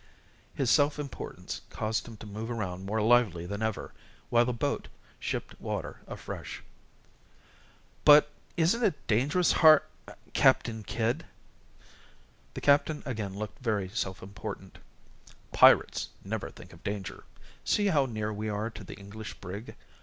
His self importance caused him to move around more lively than ever, while the boat shipped water afresh. "But isn't it dangerous, Har , Captain Kidd?" The captain again looked very self important. "Pirates never think of danger. See how near we are to the English brig.